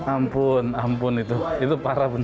ampun ampun itu itu parah benar